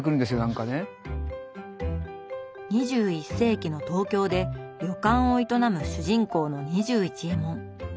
２１世紀のトウキョウで旅館を営む主人公の２１エモン。